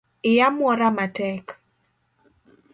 Iya mwora matek.